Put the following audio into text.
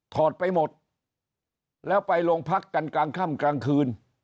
อดไปหมดแล้วไปโรงพักกันกลางค่ำกลางคืน